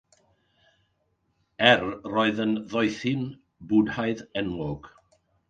Er, roedd yn ddoethyn Bwdhaidd enwog.